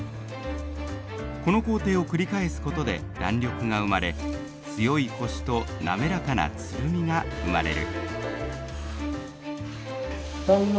この工程を繰り返すことで弾力が生まれ強いコシと滑らかなつるみが生まれる。